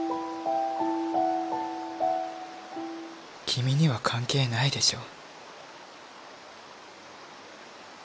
君には関係ないでしょ。